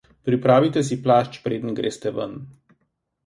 Pripravite si plašč preden greste ven.